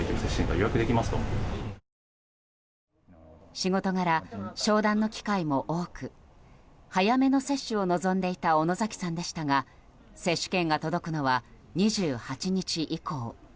仕事柄、商談の機会も多く早めの接種を望んでいた小野崎さんでしたが接種券が届くのは２８日以降。